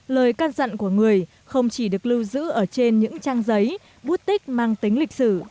lời can dặn của người không chỉ được lưu giữ ở trên những trang giấy bút tích mang tính lịch sử